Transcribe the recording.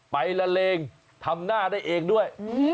ไปละเลงทำหน้าได้เองด้วย